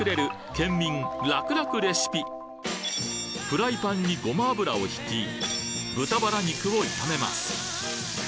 フライパンにごま油をひき豚バラ肉を炒めます